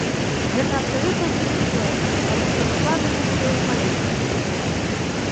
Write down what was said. Гэта абсалютна бессэнсоўна, таму што наклады дыскавыя маленькія, па-першае.